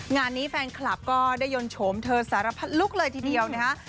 งานนี้แฟนคลับก็ได้ยนต์โฉมเธอสารพัดลุกเลยทีเดียวนะคะ